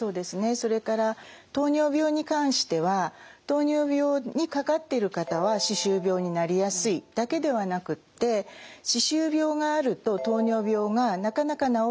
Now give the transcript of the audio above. それから糖尿病に関しては糖尿病にかかってる方は歯周病になりやすいだけではなくって歯周病があると糖尿病がなかなか治らない。